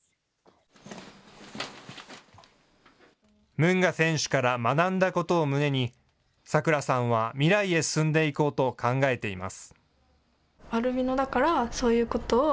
ムンガ選手から学んだことを胸に、咲来さんは未来へ進んでいこうと考えています。